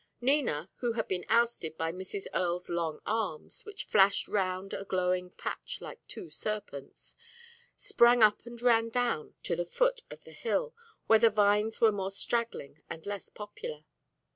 Nina, who had been ousted by Mrs. Earle's long arms, which flashed round a glowing patch like two serpents, sprang up and ran down to the foot of the hill, where the vines were more straggling and less popular.